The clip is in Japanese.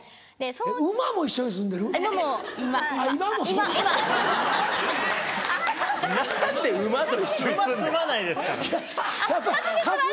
馬⁉「馬も一緒に住んでる」って。